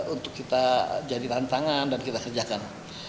untuk kita jadi tantangan dan kita kerjakan